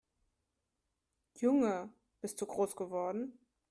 Junge, bist du groß geworden